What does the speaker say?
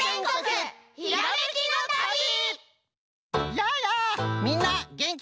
やあやあみんなげんきかの？